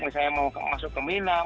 misalnya mau masuk ke mina